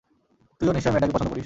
তুইও নিশ্চয়ই মেয়েটাকে পছন্দ করিস।